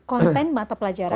konten mata pelajaran